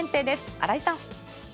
荒井さん。